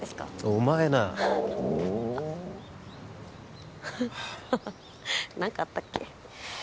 お前な何かあったっけ？